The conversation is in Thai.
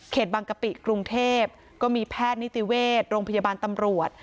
บางกะปิกรุงเทพก็มีแพทย์นิติเวชโรงพยาบาลตำรวจ